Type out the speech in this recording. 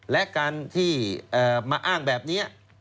และการที่มาอ้างแบบนี้